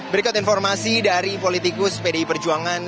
berikut informasi dari politikus pdi perjuangan